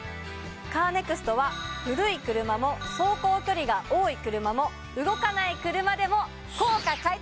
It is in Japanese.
カーネクストは古い車も走行距離が多い車も動かない車でも。